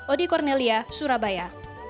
odi kornelia surabaya